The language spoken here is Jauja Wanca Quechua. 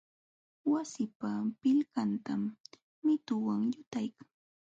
Wasipa pilqantam mituwan llutaykan.